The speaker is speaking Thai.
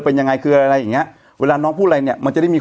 เป็นยังไงคืออะไรอย่างเงี้ยเวลาน้องพูดอะไรเนี้ยมันจะได้มี